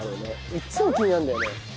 いっつも気になるんだよね。